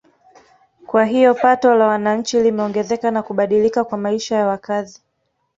Kwa hiyo pato la wananchi limeongezeka na kubadilika kwa maisha ya wakazi